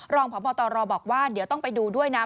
รองพบตรบอกว่าเดี๋ยวต้องไปดูด้วยนะ